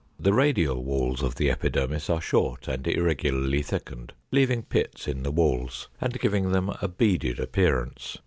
The radial walls of the epidermis are short and irregularly thickened, leaving pits in the walls, and giving them a beaded appearance.